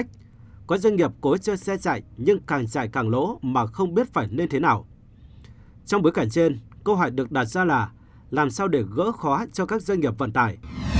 trong bối cảnh trên câu hỏi được đặt ra là làm sao để gỡ khó cho các doanh nghiệp vận tải